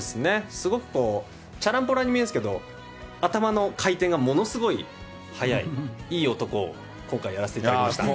すごくちゃらんぽらんに見えるんですけど、頭の回転がものすごい速い、いい男を今回やらせていただきました。